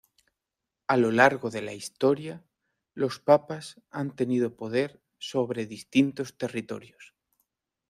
A lo largo de la historia, los papas han tenido poder sobre distintos territorios.